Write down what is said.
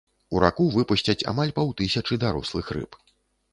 У раку выпусцяць амаль паўтысячы дарослых рыб.